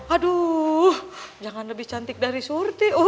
aduh jangan lebih cantik dari surti oh